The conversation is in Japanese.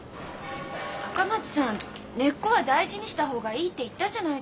赤松さん「根っこは大事にした方がいい」って言ったじゃないですか。